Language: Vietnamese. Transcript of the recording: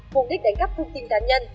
cùng đích đánh cắp thông tin tán nhân